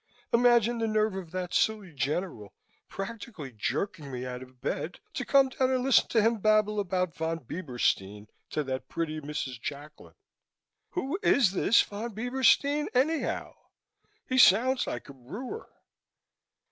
Imagine the nerve of that silly General, practically jerking me out of bed to come down and listen to him babble about Von Bieberstein to that pretty Mrs. Jacklin. Who is this Von Bieberstein anyhow? He sounds like a brewer."